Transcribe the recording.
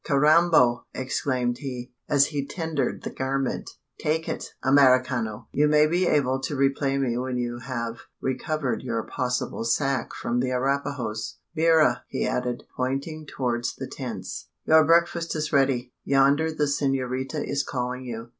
"Carrambo!" exclaimed he, as he tendered the garment, "take it, Americano! You maybe able to repay me when you have recovered your possible sack from the Arapahoes. Mira!" he added, pointing towards the tents "your breakfast is ready: yonder the senorita is calling you.